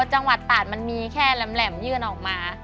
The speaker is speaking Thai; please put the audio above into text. จังหวัดตาดมันมีแค่แหลมยื่นออกมา